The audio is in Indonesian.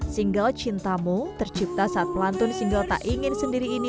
single cintamu tercipta saat pelantun single tak ingin sendiri ini